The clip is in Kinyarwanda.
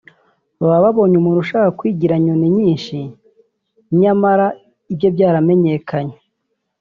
baba babonye umuntu ushaka kwigira nyoni nyinshi nyamara ibye byamenyekanye